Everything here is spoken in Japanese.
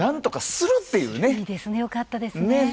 いいですねよかったですね。